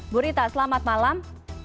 bu rita selamat malam